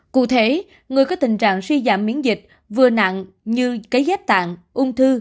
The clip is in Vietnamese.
cụ thể người có tình trạng suy giảm miễn dịch vừa nặng như cấy ghép tạng ung thư